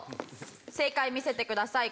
正解見せてください。